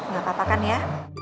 gak apa apa kan ya